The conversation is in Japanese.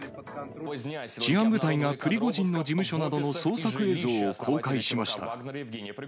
治安部隊がプリゴジンの事務所などの捜索映像を公開しました。